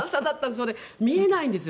それで見えないんですよ